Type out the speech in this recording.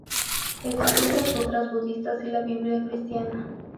Estudió los sutras budistas y la biblia cristiana.